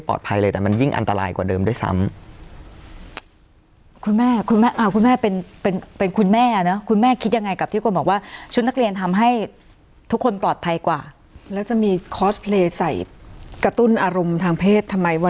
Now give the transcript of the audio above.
ก็แปลว่ามันอันตรายไง